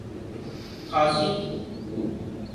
کھاسی